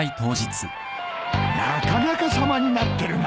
なかなか様になってるな。